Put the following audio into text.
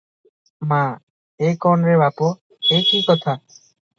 ମା - ଏ କଣ ରେ ବାପ! ଏ କି କଥା?